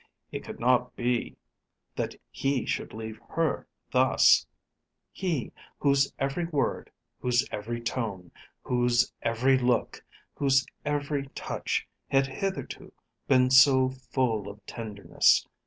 It could not be that he should leave her thus, he whose every word, whose every tone, whose every look, whose every touch had hitherto been so full of tenderness.